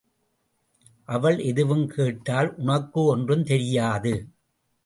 அவள் எதுவும் கேட்டால் உனக்கு ஒன்றும் தெரியாது.